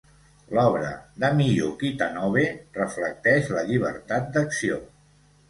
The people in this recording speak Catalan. L'obra de Miyuki Tanobe reflecteix la llibertat d'acció.